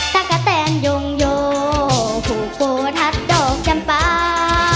ตะกะแตนยงโยผูกโฟทัศดอกจำปลา